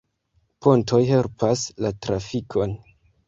Pontoj helpas la trafikon.